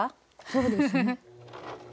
そうですね。